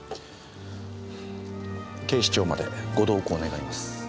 警視庁までご同行願います。